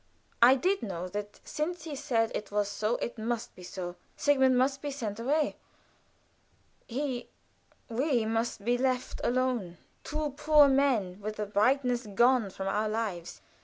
I did know that since he said it was so it must be so. Sigmund must be sent away! He we must be left alone; two poor men, with the brightness gone from our lives.